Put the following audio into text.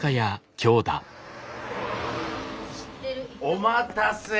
お待たせ。